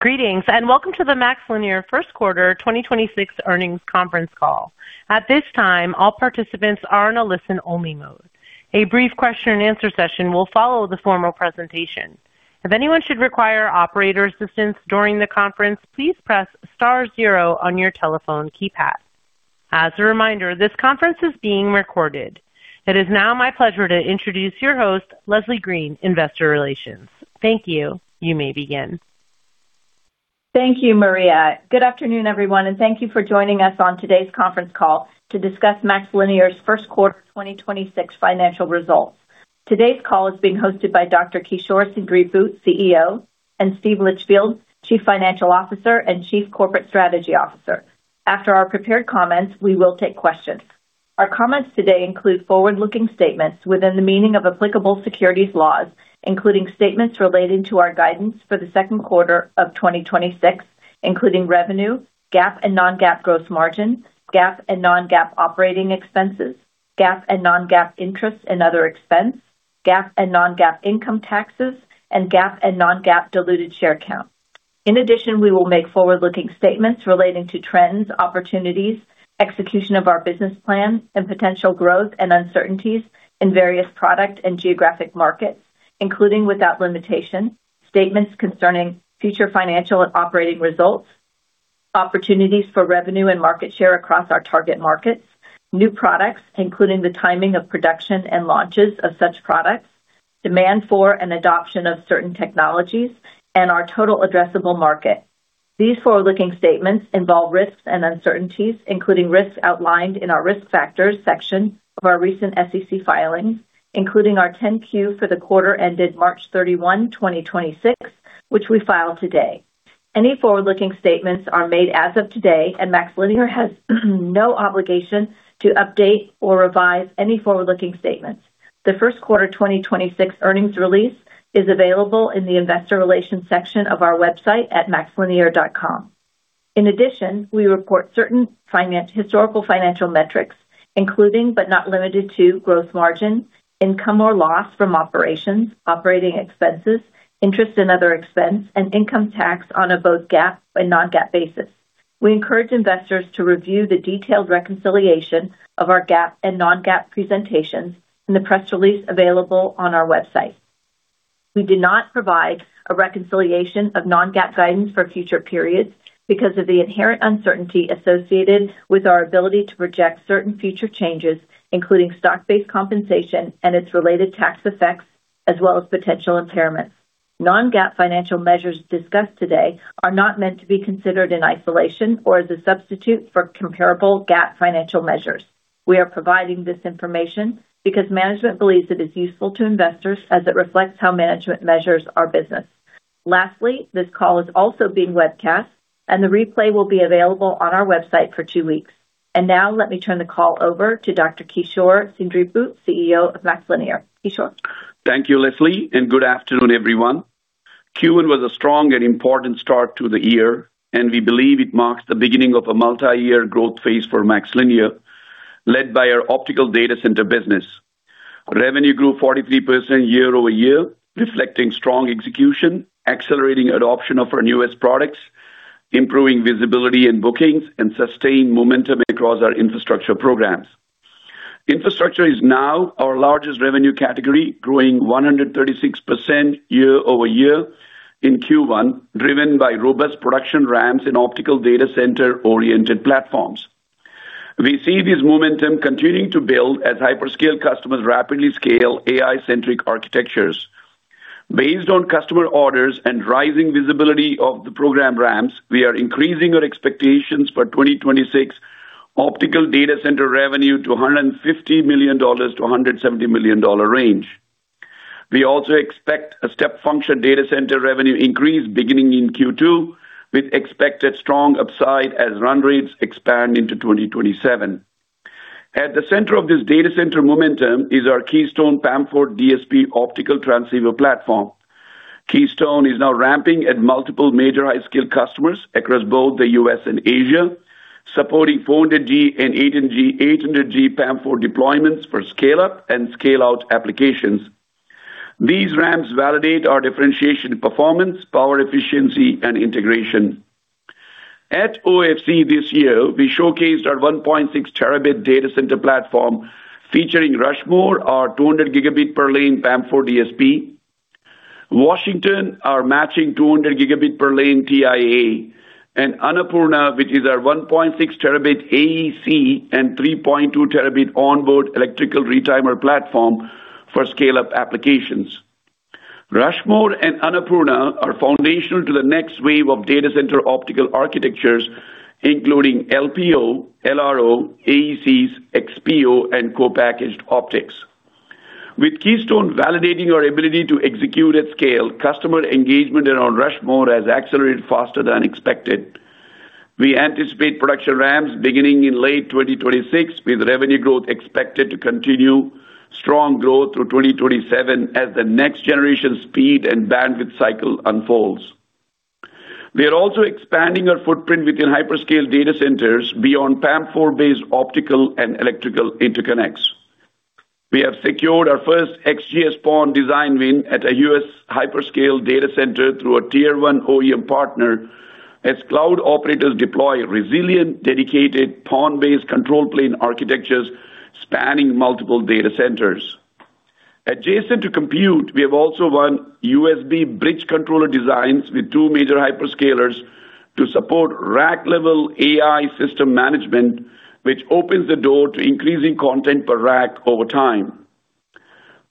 Greetings, and welcome to the MaxLinear Q1 2026 earnings conference call. At this time, all participants are in a listen-only mode. A brief question and answer session will follow the formal presentation. If anyone should require operator assistance during the conference, please press *0 on your telephone keypad. As a reminder, this conference is being recorded. It is now my pleasure to introduce your host, Leslie Green, Investor Relations. Thank you. You may begin. Thank you, Maria. Good afternoon, everyone, and thank you for joining us on today's conference call to discuss MaxLinear's Q1 2026 financial results. Today's call is being hosted by Dr. Kishore Seendripu, CEO, and Steve Litchfield, Chief Financial Officer and Chief Corporate Strategy Officer. After our prepared comments, we will take questions. Our comments today include forward-looking statements within the meaning of applicable securities laws, including statements relating to our guidance for the second quarter of 2026, including revenue, GAAP and non-GAAP gross margin, GAAP and non-GAAP operating expenses, GAAP and non-GAAP interest and other expense, GAAP and non-GAAP income taxes, and GAAP and non-GAAP diluted share count. In addition, we will make forward-looking statements relating to trends, opportunities, execution of our business plan, and potential growth and uncertainties in various product and geographic markets, including, without limitation, statements concerning future financial and operating results, opportunities for revenue and market share across our target markets, new products, including the timing of production and launches of such products, demand for and adoption of certain technologies, and our total addressable market. These forward-looking statements involve risks and uncertainties, including risks outlined in our Risk Factors section of our recent SEC filings, including our 10-Q for the quarter ended March 31st, 2026, which we filed today. Any forward-looking statements are made as of today, and MaxLinear has no obligation to update or revise any forward-looking statements. The Q1 2026 earnings release is available in the investor relations section of our website at maxlinear.com. In addition, we report certain historical financial metrics, including, but not limited to, gross margin, income or loss from operations, operating expenses, interest and other expense, and income tax on both GAAP and non-GAAP bases. We encourage investors to review the detailed reconciliation of our GAAP and non-GAAP presentations in the press release available on our website. We do not provide a reconciliation of non-GAAP guidance for future periods because of the inherent uncertainty associated with our ability to project certain future changes, including stock-based compensation and its related tax effects, as well as potential impairments. Non-GAAP financial measures discussed today are not meant to be considered in isolation or as a substitute for comparable GAAP financial measures. We are providing this information because management believes it is useful to investors as it reflects how management measures our business. Lastly, this call is also being webcast, and the replay will be available on our website for two weeks. Now let me turn the call over to Dr. Kishore Seendripu, CEO of MaxLinear. Kishore. Thank you, Leslie, and good afternoon, everyone. Q1 was a strong and important start to the year, and we believe it marks the beginning of a multi-year growth phase for MaxLinear, led by our optical data center business. Revenue grew 43% year-over-year, reflecting strong execution, accelerating adoption of our newest products, improving visibility in bookings, and sustained momentum across our infrastructure programs. Infrastructure is now our largest revenue category, growing 136% year-over-year in Q1, driven by robust production ramps in optical data center-oriented platforms. We see this momentum continuing to build as hyperscale customers rapidly scale AI-centric architectures. Based on customer orders and rising visibility of the program ramps, we are increasing our expectations for 2026 optical data center revenue to $150 million-$170 million range. We also expect a step function data center revenue increase beginning in Q2, with expected strong upside as run rates expand into 2027. At the center of this data center momentum is our Keystone PAM4 DSP optical transceiver platform. Keystone is now ramping at multiple major hyperscale customers across both the U.S. and Asia, supporting 400G and 800G PAM4 deployments for scale-up and scale-out applications. These ramps validate our differentiation in performance, power efficiency, and integration. At OFC this year, we showcased our 1.6 Tb data center platform featuring Rushmore, our 200 Gb per lane PAM4 DSP, Washington, our matching 200 Gb per lane TIA, and Annapurna, which is our 1.6 Tb AEC and 3.2 Tb onboard electrical retimer platform for scale-up applications. Rushmore and Annapurna are foundational to the next wave of data center optical architectures, including LPO, LRO, AECs, XPO, and co-packaged optics. With Keystone validating our ability to execute at scale, customer engagement around Rushmore has accelerated faster than expected. We anticipate production ramps beginning in late 2026, with revenue growth expected to continue strong growth through 2027 as the next generation speed and bandwidth cycle unfolds. We are also expanding our footprint within hyperscale data centers beyond PAM4-based optical and electrical interconnects. We have secured our first XGS-PON design win at a U.S. hyperscale data center through a Tier 1 OEM partner as cloud operators deploy resilient, dedicated PON-based control plane architectures spanning multiple data centers. Adjacent to compute, we have also won USB bridge controller designs with two major hyperscalers to support rack-level AI system management, which opens the door to increasing content per rack over time.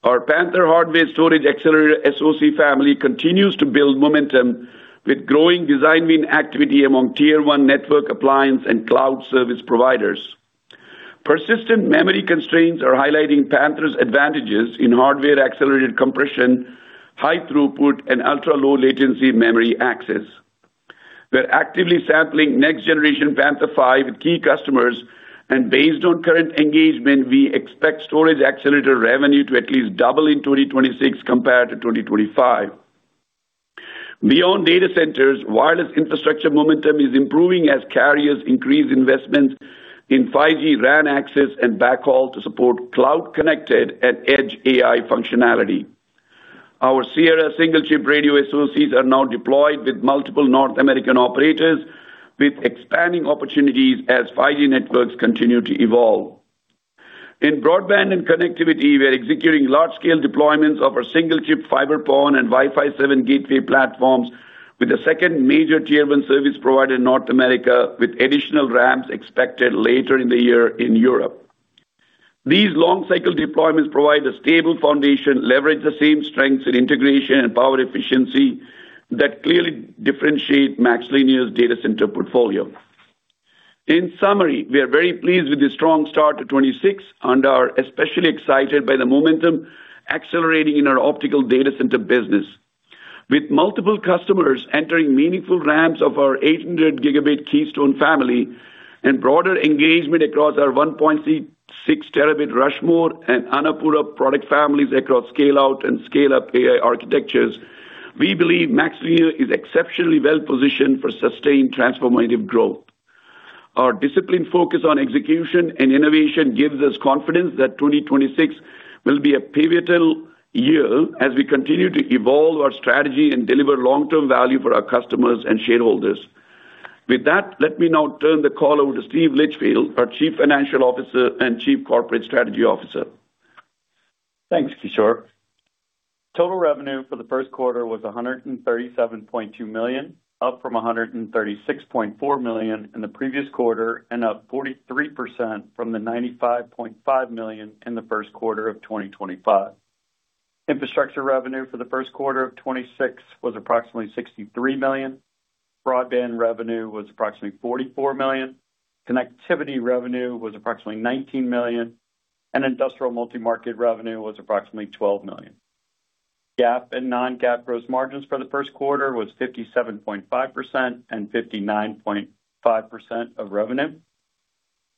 Our Panther hardware storage accelerator SoC family continues to build momentum with growing design win activity among Tier 1 network appliance and cloud service providers. Persistent memory constraints are highlighting Panther's advantages in hardware-accelerated compression, high throughput, and ultra-low latency memory access. We're actively sampling next generation Panther 5 with key customers, and based on current engagement, we expect storage accelerator revenue to at least double in 2026 compared to 2025. Beyond data centers, wireless infrastructure momentum is improving as carriers increase investments in 5G RAN access and backhaul to support cloud-connected and edge AI functionality. Our Sierra single-chip radio SoCs are now deployed with multiple North American operators, with expanding opportunities as 5G networks continue to evolve. In broadband and connectivity, we are executing large-scale deployments of our single-chip fiber PON and Wi-Fi 7 gateway platforms with a second major Tier 1 service provider in North America, with additional ramps expected later in the year in Europe. These long-cycle deployments provide a stable foundation, leverage the same strengths in integration and power efficiency that clearly differentiate MaxLinear's data center portfolio. In summary, we are very pleased with the strong start to 2026 and are especially excited by the momentum accelerating in our optical data center business. With multiple customers entering meaningful ramps of our 800 Gb Keystone family and broader engagement across our 1.6 Tb Rushmore and Annapurna product families across scale-out and scale-up AI architectures, we believe MaxLinear is exceptionally well-positioned for sustained transformative growth. Our disciplined focus on execution and innovation gives us confidence that 2026 will be a pivotal year as we continue to evolve our strategy and deliver long-term value for our customers and shareholders. With that, let me now turn the call over to Steve Litchfield, our Chief Financial Officer and Chief Corporate Strategy Officer. Thanks, Kishore. Total revenue for the Q1 was $137.2 million, up from $136.4 million in the previous quarter, and up 43% from the $95.5 million in the Q1 of 2025. Infrastructure revenue for the Q1 of 2026 was approximately $63 million. Broadband revenue was approximately $44 million. Connectivity revenue was approximately $19 million, and industrial multi-market revenue was approximately $12 million. GAAP and non-GAAP gross margins for the Q1 was 57.5% and 59.5% of revenue.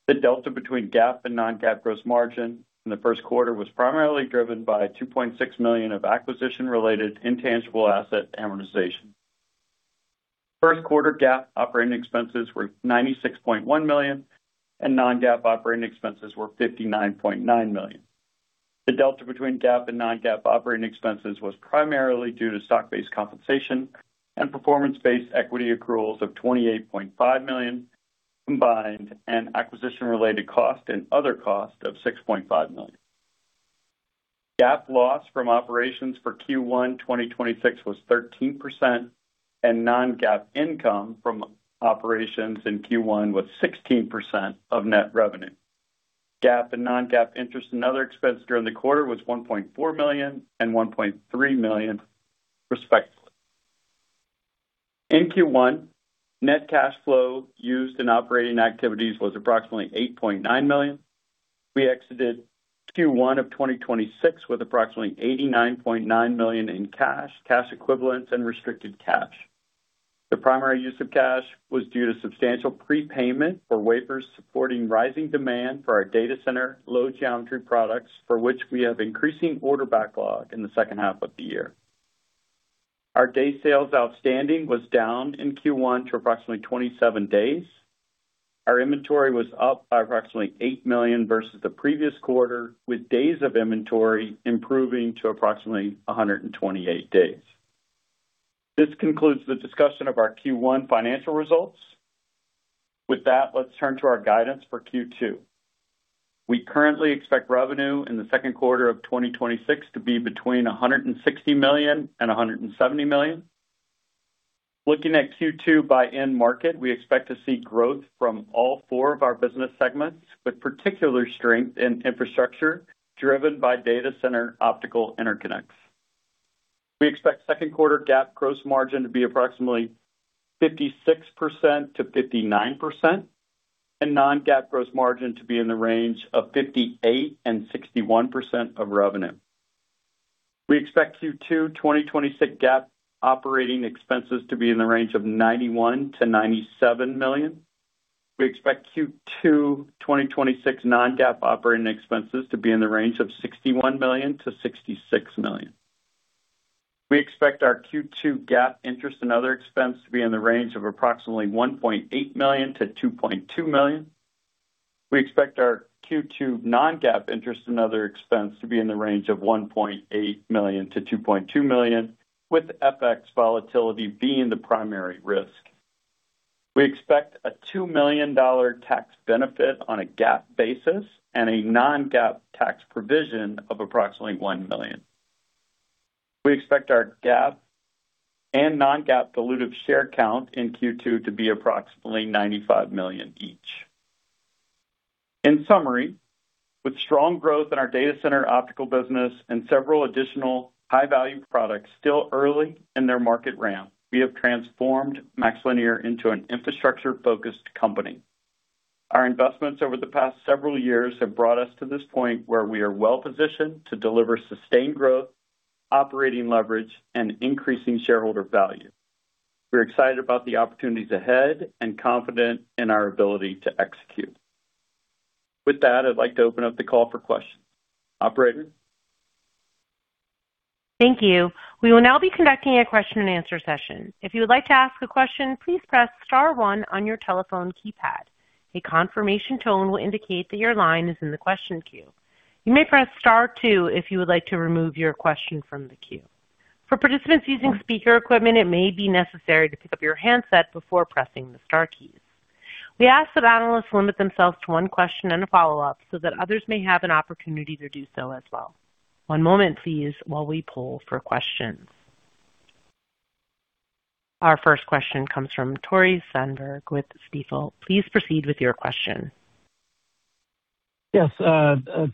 The delta between GAAP and non-GAAP gross margin in the Q1 was primarily driven by $2.6 million of acquisition-related intangible asset amortization. Q1 GAAP operating expenses were $96.1 million and non-GAAP operating expenses were $59.9 million. The delta between GAAP and non-GAAP operating expenses was primarily due to stock-based compensation and performance-based equity accruals of $28.5 million combined, and acquisition-related cost and other cost of $6.5 million. GAAP loss from operations for Q1 2026 was 13%, and non-GAAP income from operations in Q1 was 16% of net revenue. GAAP and non-GAAP interest and other expense during the quarter was $1.4 million and $1.3 million, respectively. In Q1, net cash flow used in operating activities was approximately $8.9 million. We exited Q1 of 2026 with approximately $89.9 million in cash equivalents, and restricted cash. The primary use of cash was due to substantial prepayment for wafers supporting rising demand for our data center low geometry products, for which we have increasing order backlog in the second half of the year. Our days sales outstanding was down in Q1 to approximately 27 days. Our inventory was up by approximately $8 million versus the previous quarter, with days of inventory improving to approximately 128 days. This concludes the discussion of our Q1 financial results. With that, let's turn to our guidance for Q2. We currently expect revenue in the second quarter of 2026 to be between $160 million and $170 million. Looking at Q2 by end market, we expect to see growth from all four of our business segments, with particular strength in infrastructure driven by data center optical interconnects. We expect second quarter GAAP gross margin to be approximately 56%-59%, and non-GAAP gross margin to be in the range of 58% and 61% of revenue. We expect Q2 2026 GAAP operating expenses to be in the range of $91 million-$97 million. We expect Q2 2026 non-GAAP operating expenses to be in the range of $61 million-$66 million. We expect our Q2 GAAP interest and other expense to be in the range of approximately $1.8 million-$2.2 million. We expect our Q2 non-GAAP interest and other expense to be in the range of $1.8 million-$2.2 million, with FX volatility being the primary risk. We expect a $2 million tax benefit on a GAAP basis, and a non-GAAP tax provision of approximately $1 million. We expect our GAAP and non-GAAP dilutive share count in Q2 to be approximately $95 million each. In summary, with strong growth in our data center optical business and several additional high-value products still early in their market ramp, we have transformed MaxLinear into an infrastructure-focused company. Our investments over the past several years have brought us to this point where we are well-positioned to deliver sustained growth, operating leverage, and increasing shareholder value. We're excited about the opportunities ahead and confident in our ability to execute. With that, I'd like to open up the call for questions. Operator? Thank you. We will now be conducting a question and answer session. If you would like to ask a question, please press *1 on your telephone keypad. A confirmation tone will indicate that your line is in the question queue. You may press *2 if you would like to remove your question from the queue. For participants using speaker equipment, it may be necessary to pick up your handset before pressing the * keys. We ask that analysts limit themselves to one question and a follow-up so that others may have an opportunity to do so as well. One moment please while we poll for questions. Our first question comes from Tore Svanberg with Stifel. Please proceed with your question. Yes.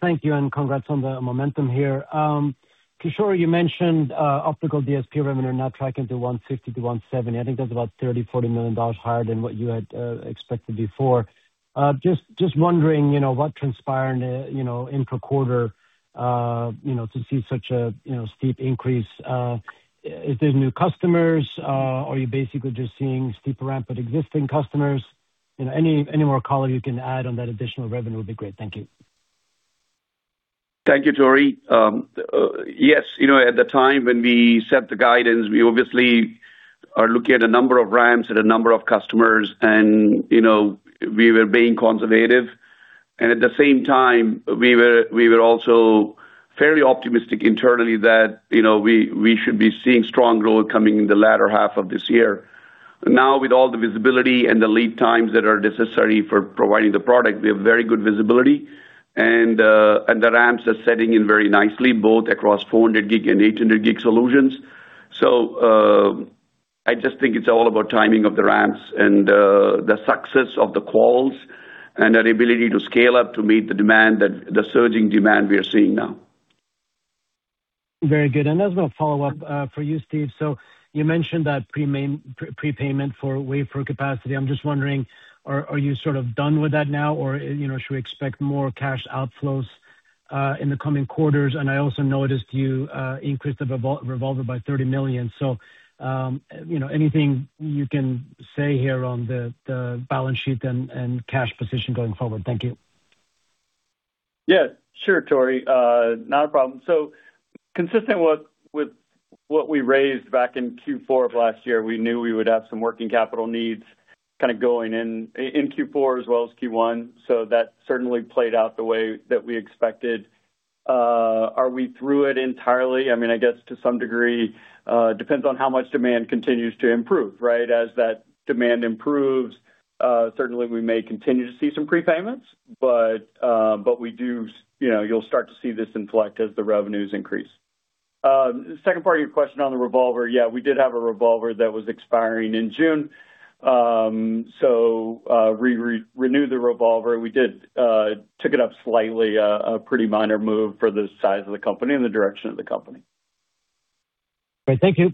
Thank you, and congrats on the momentum here. Kishore, you mentioned optical DSP revenue are now tracking to $160 million-$170 million. I think that's about $30 million-$40 million higher than what you had expected before. Just wondering what transpired in this quarter to see such a steep increase. Is this new customers? Are you basically just seeing steeper ramp at existing customers? Any more color you can add on that additional revenue would be great. Thank you. Thank you, Tore. Yes, at the time when we set the guidance, we obviously are looking at a number of ramps at a number of customers and we were being conservative. At the same time, we were also fairly optimistic internally that we should be seeing strong growth coming in the latter half of this year. Now with all the visibility and the lead times that are necessary for providing the product, we have very good visibility and the ramps are setting in very nicely, both across 400G and 800G solutions. I just think it's all about timing of the ramps and the success of the calls and our ability to scale up to meet the surging demand we are seeing now. Very good. As a follow-up for you, Steve, so you mentioned that prepayment for wafer capacity. I'm just wondering, are you sort of done with that now? Or should we expect more cash outflows in the coming quarters? I also noticed you increased the revolver by $30 million. Anything you can say here on the balance sheet and cash position going forward? Thank you. Yeah. Sure, Tore. Not a problem. Consistent with what we raised back in Q4 of last year, we knew we would have some working capital needs kind of going in Q4 as well as Q1. That certainly played out the way that we expected. Are we through it entirely? I guess to some degree, depends on how much demand continues to improve, right? As that demand improves, certainly we may continue to see some prepayments, but you'll start to see this inflect as the revenues increase. Second part of your question on the revolver. Yeah, we did have a revolver that was expiring in June, so we renewed the revolver. We took it up slightly, a pretty minor move for the size of the company and the direction of the company. Great. Thank you.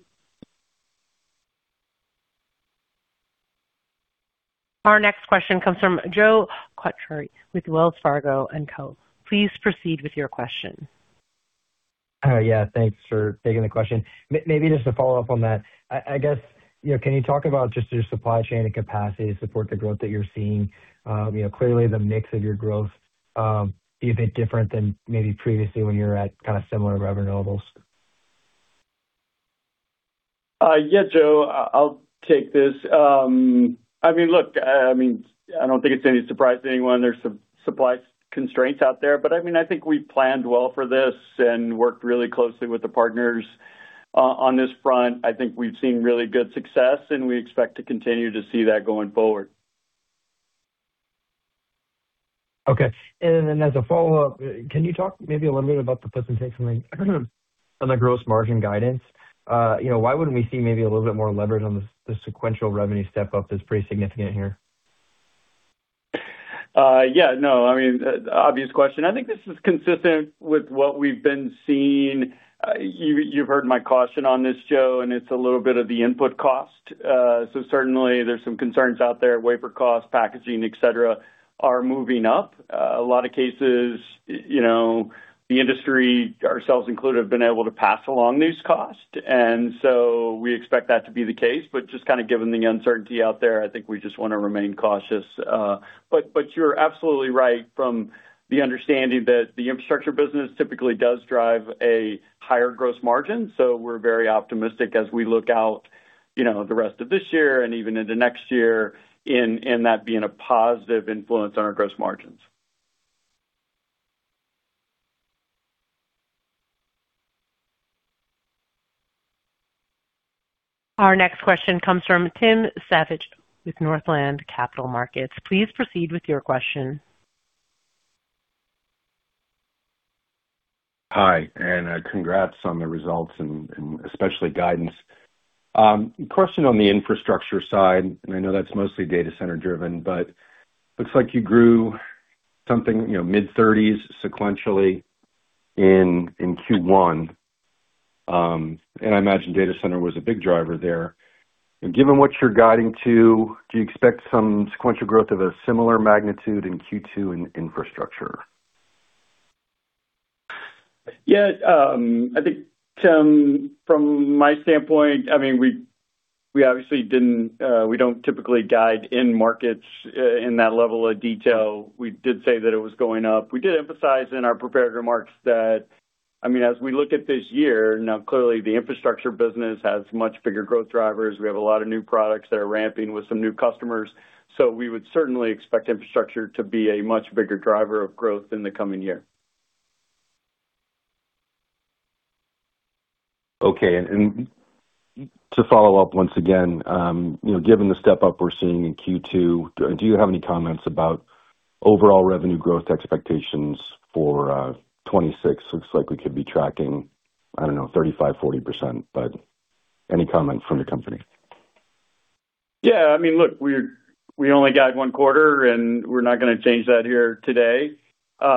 Our next question comes from Joe Quatrochi with Wells Fargo & Co. Please proceed with your question. Yeah. Thanks for taking the question. Maybe just to follow up on that. I guess, can you talk about just your supply chain and capacity to support the growth that you're seeing? Clearly the mix of your growth is a bit different than maybe previously when you were at kind of similar revenue levels. Yeah, Joe, I'll take this. Look, I don't think it's any surprise to anyone there's some supply constraints out there. I think we planned well for this and worked really closely with the partners on this front. I think we've seen really good success, and we expect to continue to see that going forward. Okay. As a follow-up, can you talk maybe a little bit about the presentation on the gross margin guidance? Why wouldn't we see maybe a little bit more leverage on the sequential revenue step up that's pretty significant here? Yeah. No, obvious question. I think this is consistent with what we've been seeing. You've heard my caution on this, Joe, and it's a little bit of the input cost. Certainly there's some concerns out there, wafer cost, packaging, et cetera, are moving up. A lot of cases the industry, ourselves included, have been able to pass along these costs, and so we expect that to be the case. Just given the uncertainty out there, I think we just want to remain cautious. You're absolutely right from the understanding that the infrastructure business typically does drive a higher gross margin. We're very optimistic as we look out. The rest of this year and even into next year in that being a positive influence on our gross margins. Our next question comes from Tim Savageaux with Northland Capital Markets. Please proceed with your question. Hi, and congrats on the results and especially guidance. A question on the infrastructure side, and I know that's mostly data center driven, but looks like you grew something mid-thirties sequentially in Q1. I imagine data center was a big driver there. Given what you're guiding to, do you expect some sequential growth of a similar magnitude in Q2 in infrastructure? Yes, I think, Tim, from my standpoint, we obviously don't typically guide end markets in that level of detail. We did say that it was going up. We did emphasize in our prepared remarks that, as we look at this year, now, clearly the infrastructure business has much bigger growth drivers. We have a lot of new products that are ramping with some new customers. We would certainly expect infrastructure to be a much bigger driver of growth in the coming year. Okay. To follow up once again, given the step-up we're seeing in Q2, do you have any comments about overall revenue growth expectations for 2026? Looks like we could be tracking, I don't know, 35%, 40%, but any comment from the company? Yeah. Look, we only got one quarter, and we're not going to change that here today. We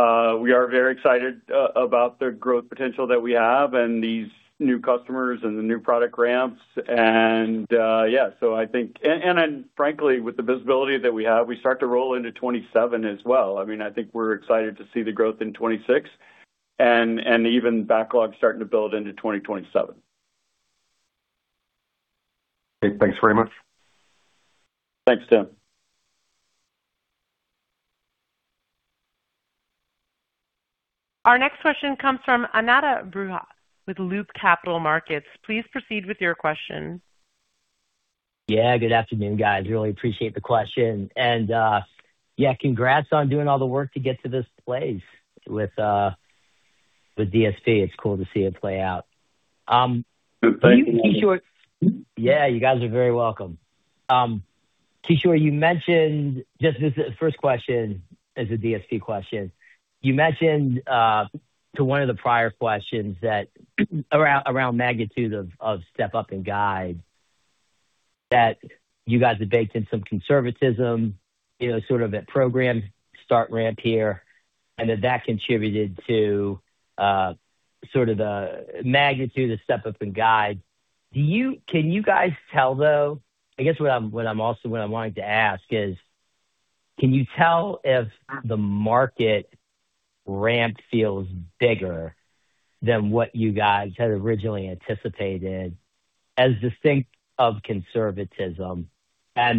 are very excited about the growth potential that we have and these new customers and the new product ramps. Yeah, and frankly, with the visibility that we have, we start to roll into 2027 as well. I think we're excited to see the growth in 2026 and even backlog starting to build into 2027. Okay. Thanks very much. Thanks, Tim. Our next question comes from Ananda Baruah with Loop Capital Markets. Please proceed with your question. Yeah. Good afternoon, guys. Really appreciate the question. Congrats on doing all the work to get to this place with DSP. It's cool to see it play out. Yeah, you guys are very welcome. Kishore, you mentioned just as a first question, as a DSP question, you mentioned to one of the prior questions that around magnitude of step up and guide that you guys had baked in some conservatism, sort of a programmed start ramp here, and that that contributed to sort of the magnitude of step up and guide. Can you guys tell though, I guess what I'm wanting to ask is, can you tell if the market ramp feels bigger than what you guys had originally anticipated as distinct from conservatism? Let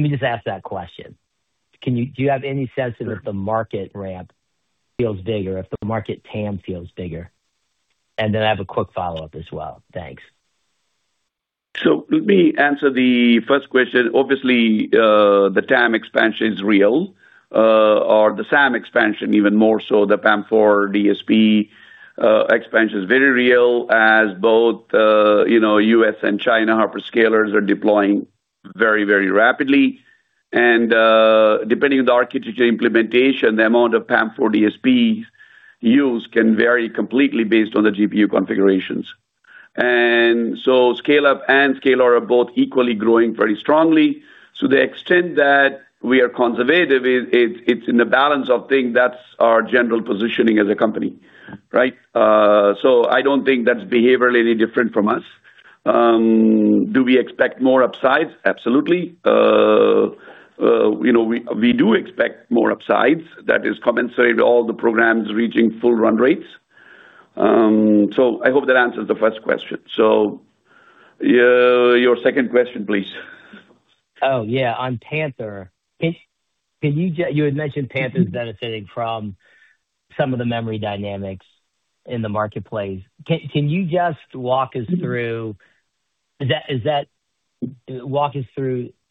me just ask that question. Do you have any sense if the market ramp feels bigger, if the market TAM feels bigger? Then I have a quick follow-up as well. Thanks. Let me answer the first question. Obviously, the TAM expansion is real, or the SAM expansion even more so. The PAM4 DSP expansion is very real as both U.S. and China hyperscalers are deploying very rapidly. Depending on the architecture implementation, the amount of PAM4 DSP used can vary completely based on the GPU configurations. Scale-up and scale-out are both equally growing very strongly. To the extent that we are conservative, it's in the balance of things, that's our general positioning as a company, right? I don't think that's behaviorally any different from us. Do we expect more upsides? Absolutely. We do expect more upsides that is commensurate to all the programs reaching full run rates. I hope that answers the first question. Your second question, please. Oh, yeah. On Panther, you had mentioned Panther is benefiting from some of the memory dynamics in the marketplace. Can you just walk us through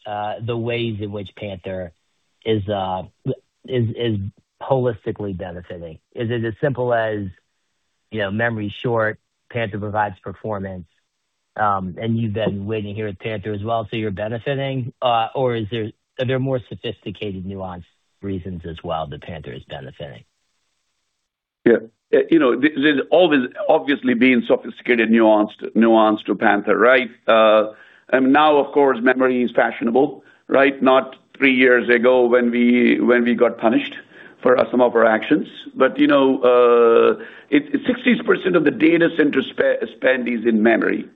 the ways in which Panther is holistically benefiting? Is it as simple as memory shortage, Panther provides performance, and you've been waiting here with Panther as well, so you're benefiting? Or are there more sophisticated nuanced reasons as well that Panther is benefiting? Yeah. There's obviously been sophisticated nuance to Panther, right? Now, of course, memory is fashionable, right? Not three years ago when we got punished for some of our actions. 60% of the data center spend is in memory.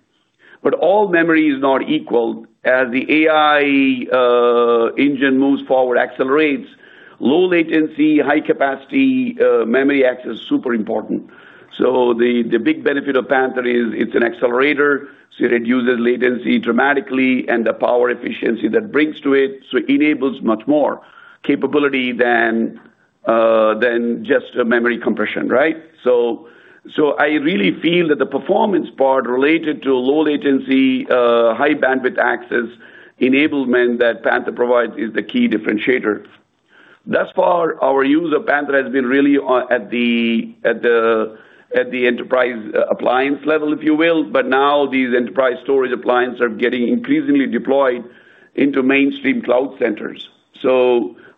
All memory is not equal. As the AI engine moves forward, accelerates, low latency, high capacity memory access is super important. The big benefit of Panther is it's an accelerator, so it reduces latency dramatically and the power efficiency that brings to it, so enables much more capability than just a memory compression, right? I really feel that the performance part related to low latency, high bandwidth access enablement that Panther provides is the key differentiator. Thus far, our use of Panther has been really at the enterprise appliance level, if you will. Now these enterprise storage appliance are getting increasingly deployed into mainstream cloud centers.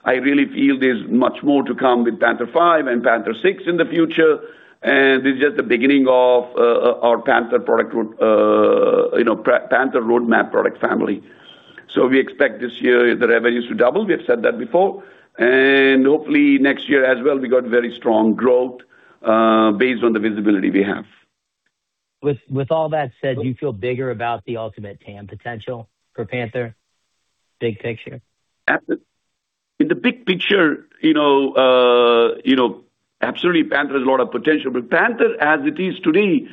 I really feel there's much more to come with Panther 5 and Panther 6 in the future. This is just the beginning of our Panther roadmap product family. We expect this year the revenues to double. We have said that before. Hopefully next year as well, we got very strong growth, based on the visibility we have. With all that said, do you feel bigger about the ultimate TAM potential for Panther? Big picture. In the big picture, absolutely Panther has a lot of potential, but Panther, as it is today,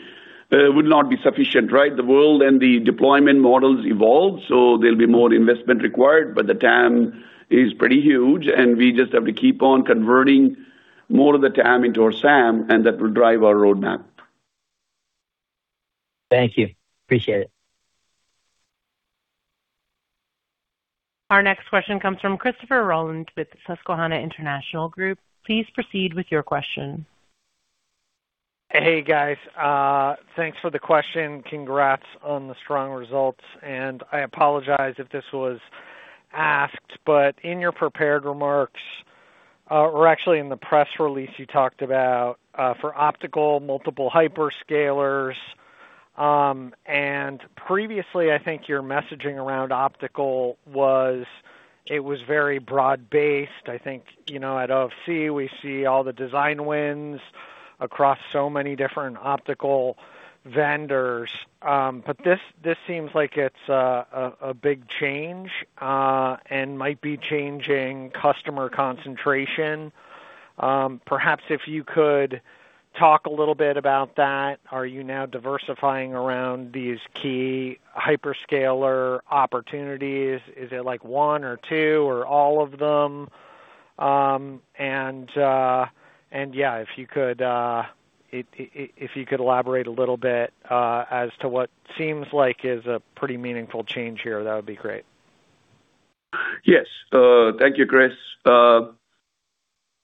will not be sufficient, right? The world and the deployment models evolve, so there'll be more investment required, but the TAM is pretty huge, and we just have to keep on converting more of the TAM into our SAM, and that will drive our roadmap. Thank you. Appreciate it. Our next question comes from Christopher Rolland with Susquehanna International Group. Please proceed with your question. Hey, guys. Thanks for the question. Congrats on the strong results, and I apologize if this was asked, but in your prepared remarks, or actually in the press release, you talked about, for optical, multiple hyperscalers. Previously, I think your messaging around optical was very broad-based. I think at OFC, we see all the design wins across so many different optical vendors. This seems like it's a big change, and might be changing customer concentration. Perhaps if you could talk a little bit about that. Are you now diversifying around these key hyperscaler opportunities? Is it like one or two or all of them? If you could elaborate a little bit, as to what seems like is a pretty meaningful change here, that would be great. Yes. Thank you, Chris.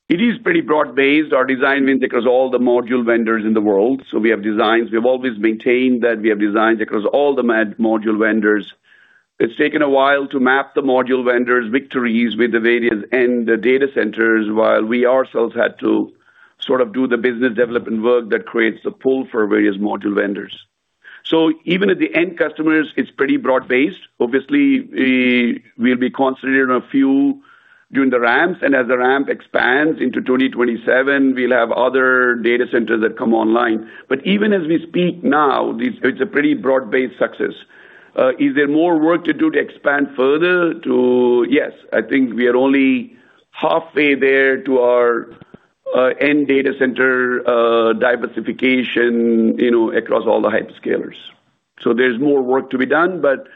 It is pretty broad-based, our design win, because all the module vendors in the world. We have designs. We have always maintained that we have designs across all the module vendors. It's taken a while to map the module vendors victories with the various end data centers, while we ourselves had to sort of do the business development work that creates the pull for various module vendors. Even at the end customers, it's pretty broad-based. Obviously, we'll be concentrating on a few during the ramps, and as the ramp expands into 2027, we'll have other data centers that come online. Even as we speak now, it's a pretty broad-based success. Is there more work to do to expand further? Yes, I think we are only halfway there to our end data center diversification across all the hyperscalers. There's more work to be done, but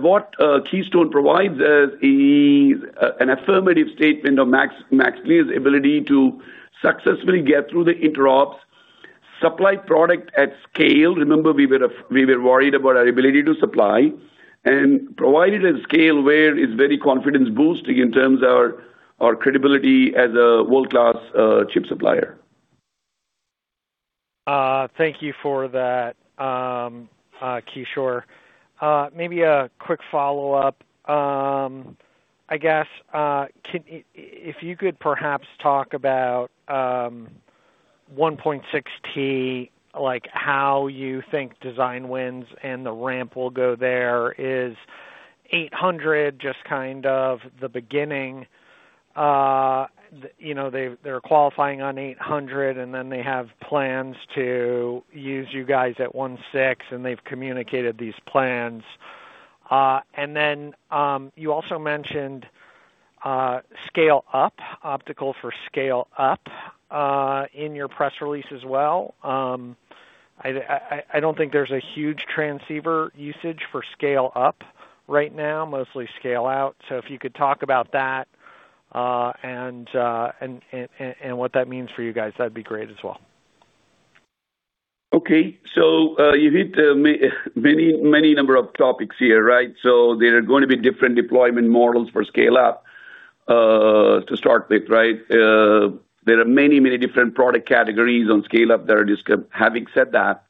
what Keystone provides us is an affirmative statement of MaxLinear's ability to successfully get through the interops, supply product at scale. Remember, we were worried about our ability to supply and provide it at scale where it's very confidence-boosting in terms of our credibility as a world-class chip supplier. Thank you for that, Kishore. Maybe a quick follow-up. I guess, if you could perhaps talk about 1.6 Tb, like how you think design wins and the ramp will go there. Is 800 just kind of the beginning? They're qualifying on 800, and then they have plans to use you guys at 1.6, and they've communicated these plans. You also mentioned scale up, optical for scale up, in your press release as well. I don't think there's a huge transceiver usage for scale up right now, mostly scale out. If you could talk about that, and what that means for you guys, that'd be great as well. Okay. You hit many number of topics here, right? There are going to be different deployment models for scale up, to start with, right? There are many, many different product categories on scale up. Having said that,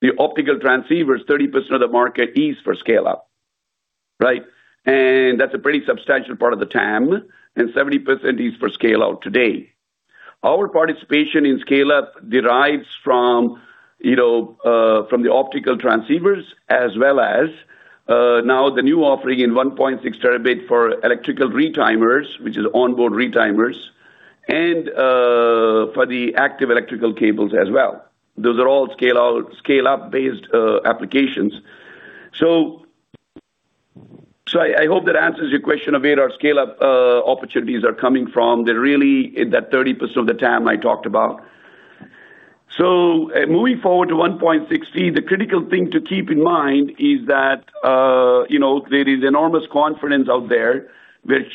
the optical transceivers, 30% of the market is for scale up, right? That's a pretty substantial part of the TAM, and 70% is for scale out today. Our participation in scale up derives from the optical transceivers as well as now the new offering in 1.6 Tb for electrical retimers, which is onboard retimers, and for the active electrical cables as well. Those are all scale-up based applications. I hope that answers your question of where our scale-up opportunities are coming from. They're really in that 30% of the TAM I talked about. Moving forward to 1.6 Tb, the critical thing to keep in mind is that there is enormous confidence out there with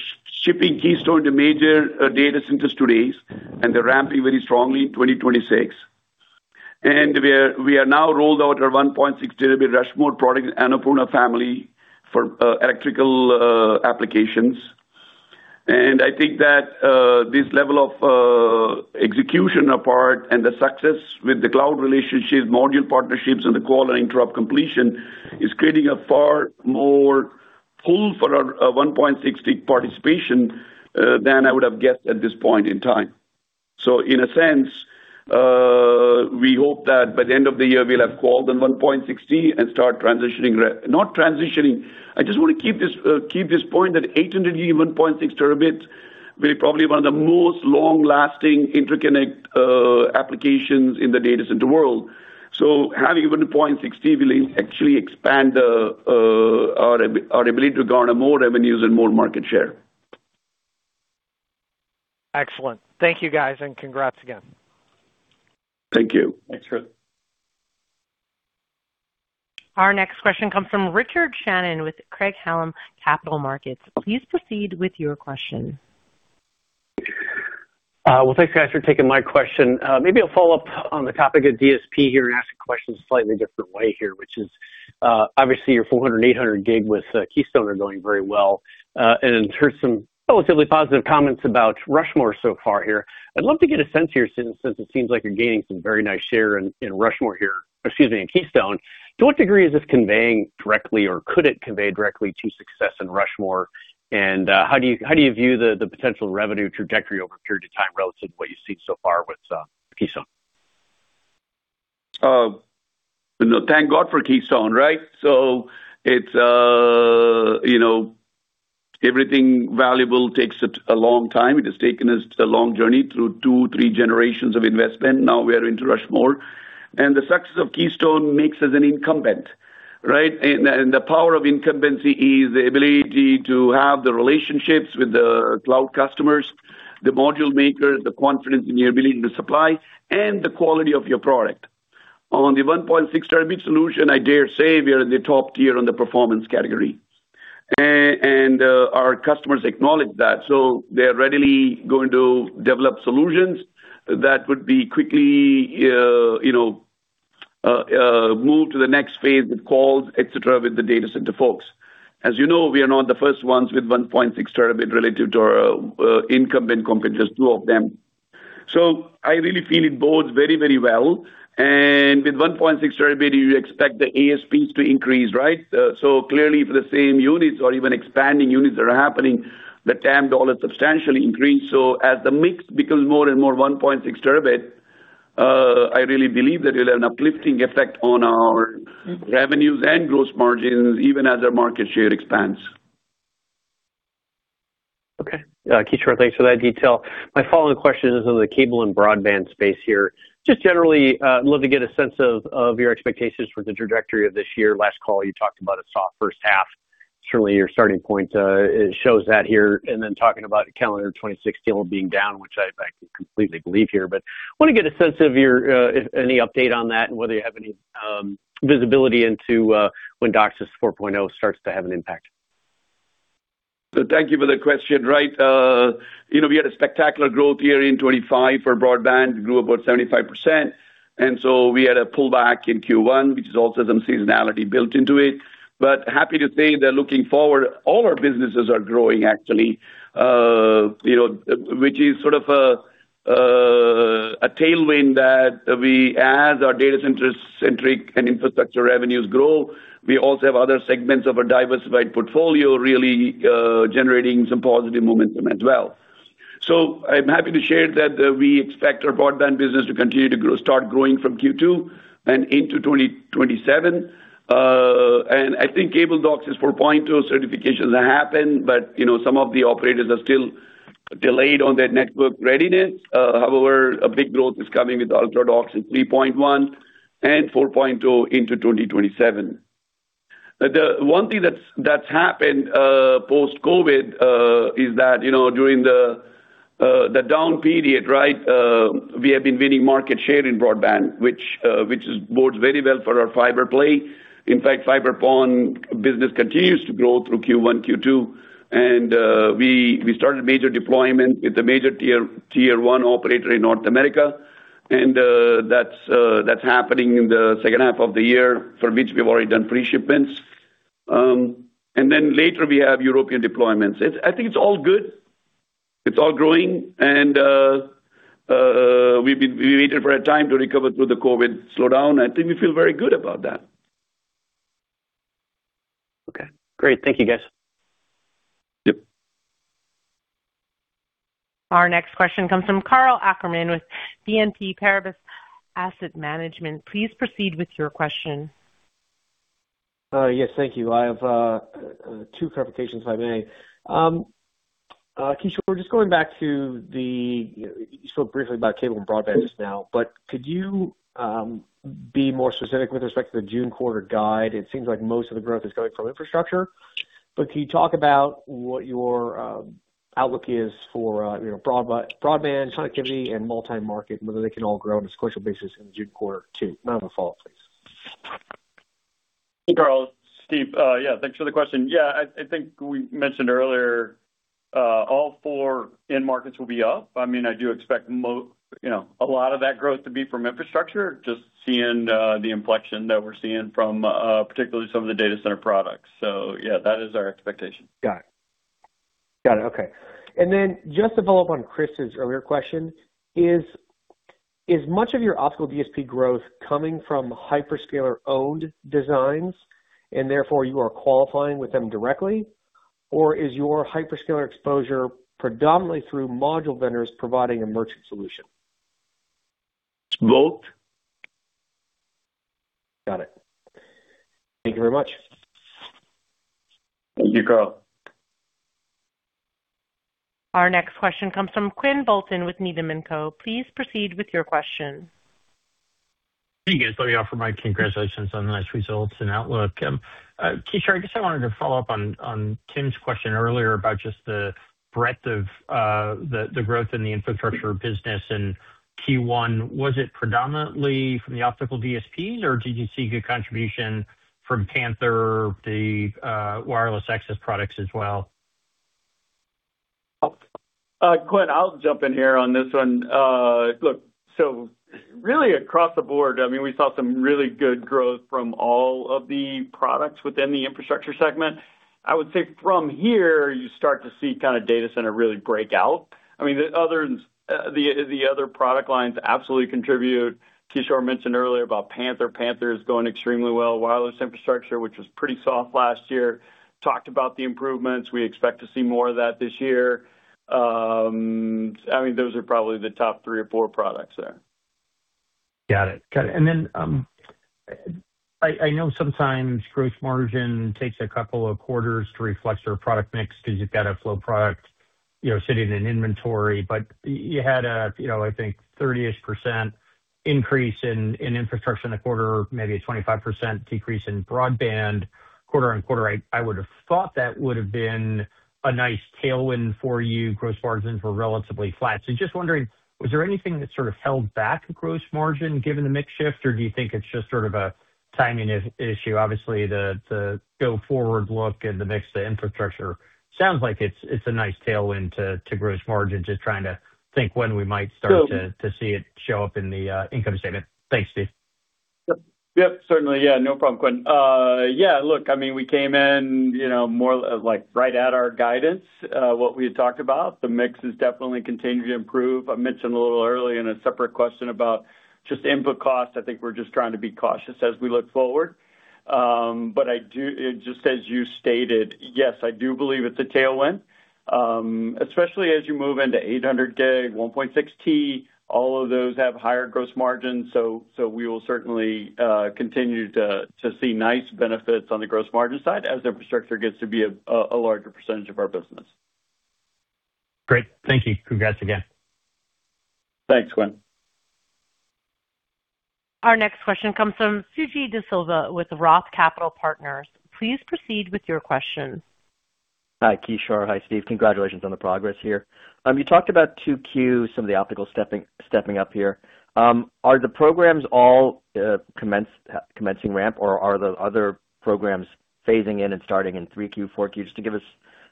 shipping Keystone to major data centers today, and they're ramping very strongly in 2026. We now rolled out our 1.6 Tb Rushmore product Annapurna family for electrical applications. I think that this level of execution and the success with the cloud relationships, module partnerships, and the qual and interop completion is creating a far more pull for our 1.6 Tb participation than I would have guessed at this point in time. In a sense, we hope that by the end of the year, we'll have called on 1.6 Tb. I just want to keep this point that 800G 1.6 Tbs will be probably one of the most long-lasting interconnect applications in the data center world. Having 1.6 Tb will actually expand our ability to garner more revenues and more market share. Excellent. Thank you guys, and congrats again. Thank you. Thanks. Our next question comes from Richard Shannon with Craig-Hallum Capital Group. Please proceed with your question. Well, thanks, guys, for taking my question. Maybe I'll follow up on the topic of DSP here and ask the question slightly different way here, which is, obviously your 400G, 800G with Keystone are going very well, and heard some relatively positive comments about Rushmore so far here. I'd love to get a sense here since it seems like you're gaining some very nice share in Rushmore here. Excuse me. In Keystone. To what degree is this conveying directly or could it convey directly to success in Rushmore? And how do you view the potential revenue trajectory over a period of time relative to what you've seen so far with Keystone? Thank God for Keystone, right? Everything valuable takes a long time. It has taken us a long journey through two, three generations of investment. Now we are into Rushmore, and the success of Keystone makes us an incumbent, right? The power of incumbency is the ability to have the relationships with the cloud customers, the module makers, the confidence in your ability to supply, and the quality of your product. On the 1.6 Tb solution, I dare say we are in the top tier on the performance category. Our customers acknowledge that, so they're readily going to develop solutions that would be quickly moved to the next phase with calls, et cetera, with the data center folks. As you know, we are not the first ones with 1.6 Tb relative to our incumbent competitors, two of them. I really feel it bodes very well. With 1.6 Tb, you expect the ASPs to increase, right? Clearly for the same units or even expanding units that are happening, the TAM dollar substantially increased. As the mix becomes more and more 1.6 Tb, I really believe that it'll have an uplifting effect on our revenues and gross margins, even as our market share expands. Okay. Kishore, thanks for that detail. My following question is on the cable and broadband space here. Just generally, love to get a sense of your expectations for the trajectory of this year. Last call, you talked about a soft first half. Certainly, your starting point shows that here. Talking about calendar 2026 being down, which I can completely believe here. Want to get a sense of any update on that and whether you have any visibility into when DOCSIS 4.0 starts to have an impact. Thank you for the question. We had a spectacular growth year in 2025 for broadband. Grew about 75%. We had a pullback in Q1, which has also some seasonality built into it. Happy to say that looking forward, all our businesses are growing actually, which is sort of a tailwind that as our data centric and infrastructure revenues grow, we also have other segments of our diversified portfolio really generating some positive momentum as well. I'm happy to share that we expect our broadband business to continue to start growing from Q2 and into 2027. I think cable DOCSIS 4.0 certifications happen, but some of the operators are still delayed on their network readiness. However, a big growth is coming with Ultra DOCSIS 3.1 and 4.0 into 2027. The one thing that's happened post-COVID, is that during the down period, we have been winning market share in broadband, which bodes very well for our fiber play. In fact, fiber PON business continues to grow through Q1, Q2, and we started major deployment with a major tier one operator in North America. That's happening in the second half of the year, for which we've already done pre-shipments. Later we have European deployments. I think it's all good. It's all growing. We waited for a time to recover through the COVID slowdown. I think we feel very good about that. Okay, great. Thank you, guys. Yep. Our next question comes from Karl Ackerman with BNP Paribas Asset Management. Please proceed with your question. Yes. Thank you. I have two clarifications, if I may. Kishore, you spoke briefly about cable and broadband just now, but could you be more specific with respect to the June quarter guide? It seems like most of the growth is coming from infrastructure. Can you talk about what your outlook is for broadband connectivity and multi-market, and whether they can all grow on a sequential basis in the June quarter too? I have a follow-up, please. Hey, Karl. Steve. Yeah, thanks for the question. Yeah, I think we mentioned earlier all four end markets will be up. I do expect a lot of that growth to be from infrastructure, just seeing the inflection that we're seeing from particularly some of the data center products. Yeah, that is our expectation. Got it. Okay. Just to follow up on Chris's earlier question, is much of your optical DSP growth coming from hyperscaler-owned designs and therefore you are qualifying with them directly? Or is your hyperscaler exposure predominantly through module vendors providing a merchant solution? Both. Got it. Thank you very much. Thank you, Karl. Our next question comes from Quinn Bolton with Needham & Co. Please proceed with your question. Hey, guys. Let me offer my congratulations on the nice results and outlook. Kishore, I guess I wanted to follow up on Tim's question earlier about just the breadth of the growth in the infrastructure business in Q1. Was it predominantly from the optical DSPs or did you see good contribution from Panther, the wireless access products as well? Quinn, I'll jump in here on this one. Look, really across the board, we saw some really good growth from all of the products within the infrastructure segment. I would say from here, you start to see data center really break out. The other product lines absolutely contribute. Kishore mentioned earlier about Panther. Panther is going extremely well. Wireless infrastructure, which was pretty soft last year, we talked about the improvements. We expect to see more of that this year. Those are probably the top three or four products there. Got it. I know sometimes gross margin takes a couple of quarters to reflect your product mix because you've got a flow product sitting in inventory. You had, I think, 30% increase in infrastructure in the quarter, maybe a 25% decrease in broadband quarter-over-quarter. I would have thought that would have been a nice tailwind for you. Gross margins were relatively flat. Just wondering, was there anything that sort of held back gross margin given the mix shift, or do you think it's just sort of a timing issue? Obviously, the go forward look and the mix, the infrastructure sounds like it's a nice tailwind to gross margin. Just trying to think when we might start to see it show up in the income statement. Thanks, Steve. Yep, certainly. Yeah, no problem, Quinn. Yeah, look, we came in more like right at our guidance. What we had talked about, the mix is definitely continuing to improve. I mentioned a little early in a separate question about just input cost. I think we're just trying to be cautious as we look forward. Just as you stated, yes, I do believe it's a tailwind, especially as you move into 800G, 1.6 Tb, all of those have higher gross margins. We will certainly continue to see nice benefits on the gross margin side as infrastructure gets to be a larger percentage of our business. Great, thank you. Congrats again. Thanks, Quinn. Our next question comes from Suji Desilva with Roth Capital Partners. Please proceed with your question. Hi, Kishore. Hi, Steve. Congratulations on the progress here. You talked about 2Q, some of the optical stepping up here. Are the programs all commencing ramp or are the other programs phasing in and starting in Q3, Q4? Just to give us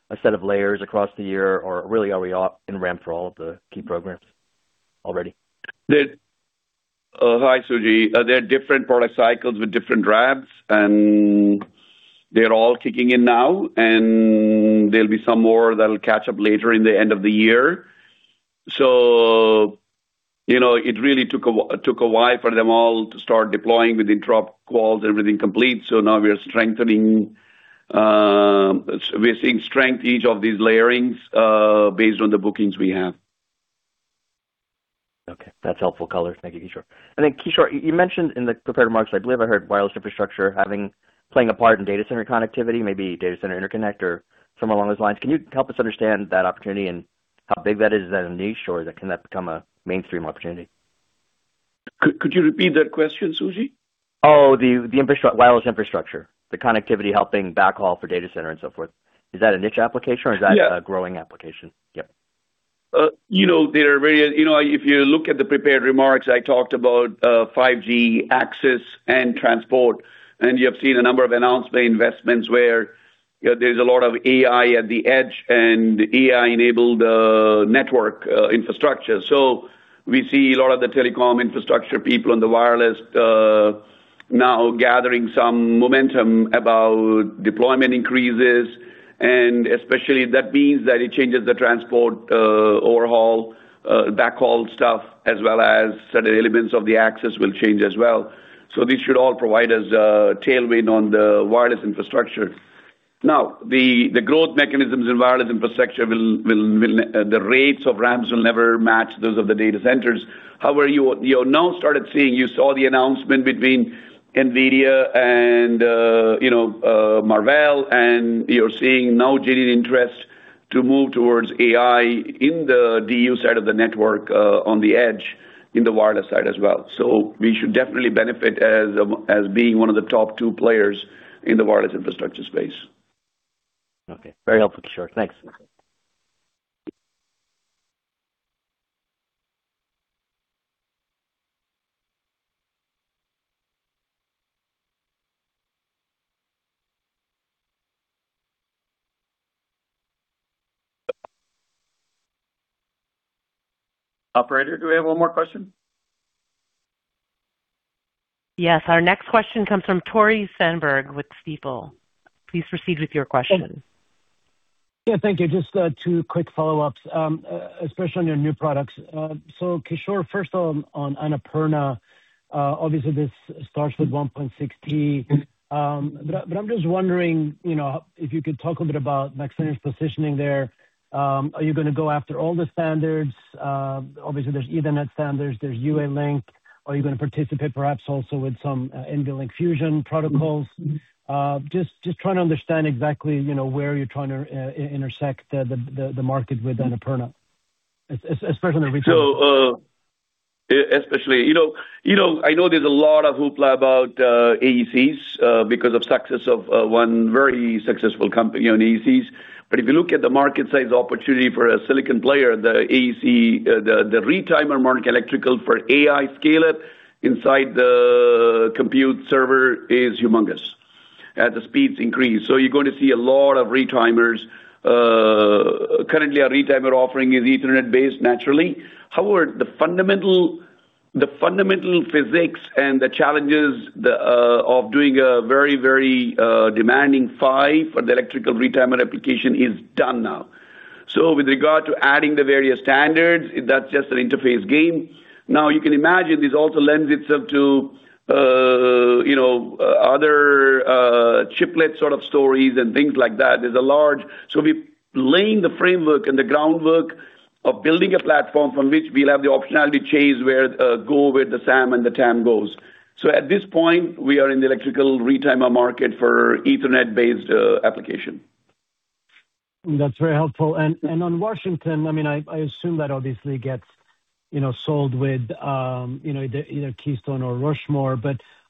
a set of layers across the year, or really are we in ramp for all of the key programs already? Hi, Suji. They're different product cycles with different ramps, and they're all kicking in now, and there'll be some more that'll catch up later in the end of the year. It really took a while for them all to start deploying with intro calls, everything complete. Now we are strengthening. We're seeing strength, each of these layerings, based on the bookings we have. Okay, that's helpful color. Thank you, Kishore. Kishore, you mentioned in the prepared remarks. I believe I heard wireless infrastructure playing a part in data center connectivity, maybe data center interconnect or somewhere along those lines. Can you help us understand that opportunity and how big that is? Is that a niche or can that become a mainstream opportunity? Could you repeat that question, Suji? Oh, the wireless infrastructure, the connectivity helping backhaul for data center and so forth. Is that a niche application or is that a growing application? Yep. If you look at the prepared remarks, I talked about 5G access and transport, and you have seen a number of announcement investments where there's a lot of AI at the edge and AI-enabled network infrastructure. We see a lot of the telecom infrastructure people in the wireless now gathering some momentum about deployment increases, and especially that means that it changes the transport overhaul, backhaul stuff as well as certain elements of the access will change as well. This should all provide us a tailwind on the wireless infrastructure. Now, the growth mechanisms in wireless infrastructure, the rates of ramps will never match those of the data centers. However, you have now started seeing, you saw the announcement between Nvidia and Marvell, and you're seeing now genuine interest to move towards AI in the DU side of the network on the edge in the wireless side as well. We should definitely benefit as being one of the top two players in the wireless infrastructure space. Okay. Very helpful, Kishore. Thanks. Operator, do we have one more question? Yes. Our next question comes from Tore Svanberg with Stifel. Please proceed with your question. Yeah, thank you. Just two quick follow-ups, especially on your new products. Kishore, first on Annapurna. Obviously, this starts with 1.6 Tb. But I'm just wondering, if you could talk a little bit about MaxLinear's positioning there. Are you going to go after all the standards? Obviously, there's Ethernet standards, there's UALink. Are you going to participate perhaps also with some NVLink fusion protocols? Just trying to understand exactly where you're trying to intersect the market with Annapurna, especially on the retimer. I know there's a lot of hoopla about AECs because of success of one very successful company on AECs. If you look at the market size opportunity for a silicon player, the retimer market electrical for AI scale-up inside the compute server is humongous as the speeds increase. You're going to see a lot of retimers. Currently, our retimer offering is Ethernet-based naturally. However, the fundamental physics and the challenges of doing a very demanding PHY for the electrical retimer application is done now. With regard to adding the various standards, that's just an interface game. Now, you can imagine this also lends itself to other chiplet sort of stories and things like that. We're laying the framework and the groundwork of building a platform from which we'll have the optionality to chase wherever the SAM and the TAM goes. At this point, we are in the electrical retimer market for Ethernet-based application. That's very helpful. On Washington, I assume that obviously gets sold with either Keystone or Rushmore.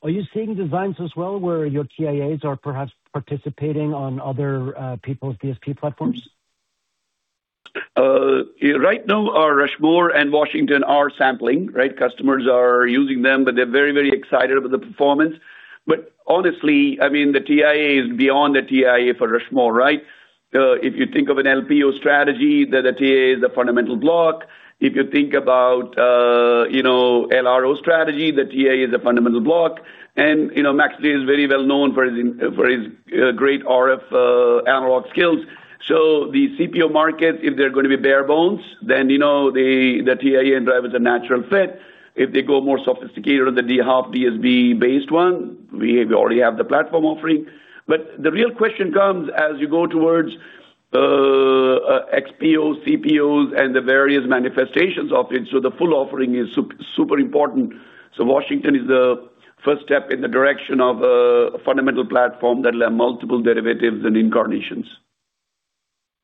Are you seeing designs as well where your TIAs are perhaps participating on other people's DSP platforms? Right now, our Rushmore and Washington are sampling, right? Customers are using them, but they're very excited about the performance. Honestly, the TIA is beyond the TIA for Rushmore, right? If you think of an LPO strategy, the TIA is a fundamental block. If you think about LRO strategy, the TIA is a fundamental block. MaxLinear is very well known for its great RF analog skills. The CPO market, if they're going to be bare bones, then the TIA and driver is a natural fit. If they go more sophisticated on the DSP-based one, we already have the platform offering. The real question comes as you go towards XPO, CPOs and the various manifestations of it. The full offering is super important. Washington is the first step in the direction of a fundamental platform that will have multiple derivatives and incarnations.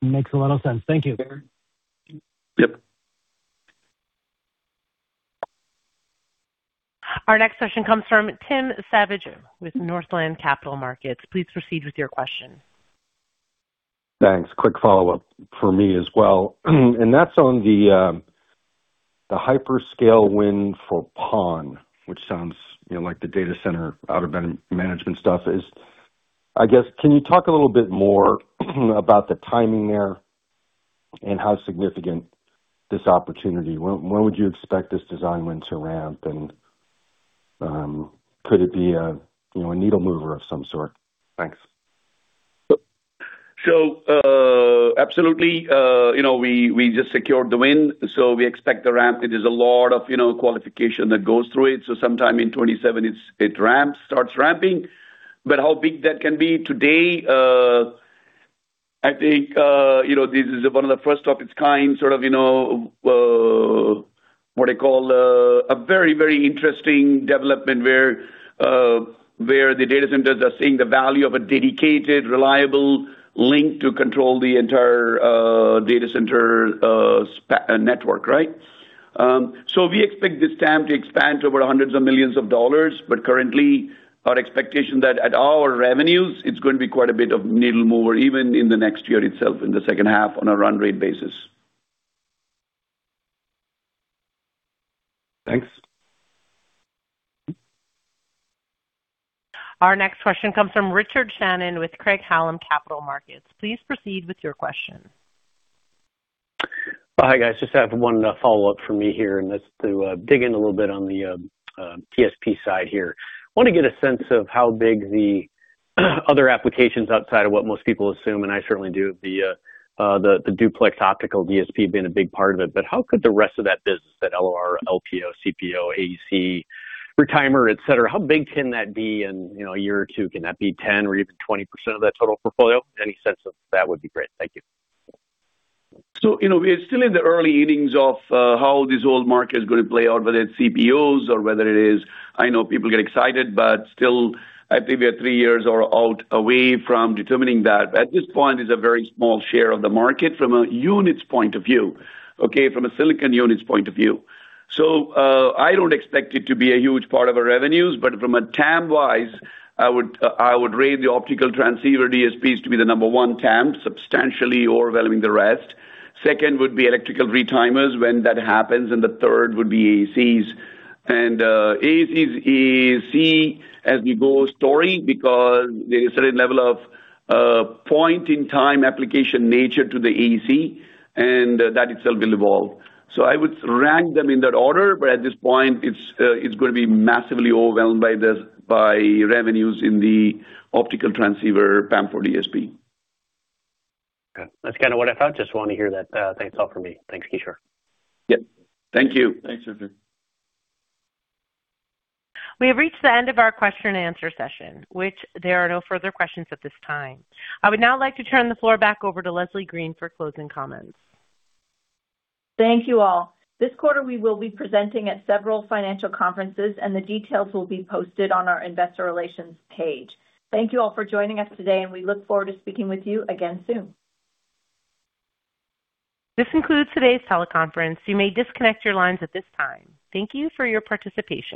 Makes a lot of sense. Thank you. Yep. Our next question comes from Tim Savageaux with Northland Capital Markets. Please proceed with your question. Thanks. Quick follow-up for me as well, and that's on the hyperscale win for PON, which sounds like the data center out-of-band management stuff is. I guess, can you talk a little bit more about the timing there and how significant this opportunity? When would you expect this design win to ramp? And could it be a needle mover of some sort? Thanks. Absolutely. We just secured the win, so we expect the ramp. It is a lot of qualification that goes through it. Sometime in 2027 it starts ramping. How big that can be today, I think this is one of the first of its kind, sort of what they call a very interesting development where the data centers are seeing the value of a dedicated, reliable link to control the entire data center network, right? We expect this TAM to expand to over hundreds of millions of dollars. Currently our expectation that at our revenues, it's going to be quite a bit of needle mover even in the next year itself in the second half on a run rate basis. Thanks. Our next question comes from Richard Shannon with Craig-Hallum Capital Group. Please proceed with your question. Hi, guys. I just have one follow-up for me here, and that's to dig in a little bit on the DSP side here. I want to get a sense of how big the other applications outside of what most people assume, and I certainly do, the duplex optical DSP being a big part of it. How could the rest of that business, that LRO, LPO, CPO, AEC, retimer, et cetera, how big can that be in a year or two? Can that be 10% or even 20% of that total portfolio? Any sense of that would be great. Thank you. We're still in the early innings of how this whole market is going to play out, whether it's CPOs or whether it is. I know people get excited, but still, I think we are three years or so away from determining that. At this point, it's a very small share of the market from a units point of view, okay? From a silicon units point of view. I don't expect it to be a huge part of our revenues, but from a TAM-wise, I would rate the optical transceiver DSPs to be the number-one TAM substantially overwhelming the rest. Second would be electrical retimers when that happens, and the third would be AECs. And AEC as-we-go story because there's a certain level of point in time application nature to the AEC and that itself will evolve. I would rank them in that order. At this point it's going to be massively overwhelmed by revenues in the optical transceiver PAM4 DSP. Okay. That's kind of what I thought. Just wanted to hear that. That's all for me. Thanks, Kishore. Yep. Thank you. Thanks, Richard. We have reached the end of our question and answer session. There are no further questions at this time. I would now like to turn the floor back over to Leslie Green for closing comments. Thank you all. This quarter we will be presenting at several financial conferences, and the details will be posted on our investor relations page. Thank you all for joining us today, and we look forward to speaking with you again soon. This concludes today's teleconference. You may disconnect your lines at this time. Thank you for your participation.